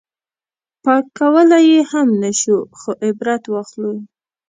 پاک کولی یې هم نه شو خو عبرت واخلو.